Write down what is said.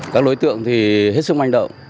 các đối tượng thì hết sức manh động